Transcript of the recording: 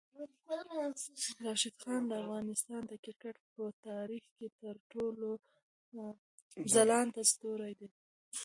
راشد خان د افغانستان د کرکټ په تاریخ کې تر ټولو ځلاند ستوری دی.